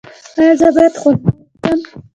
ایا زه باید خرما وخورم؟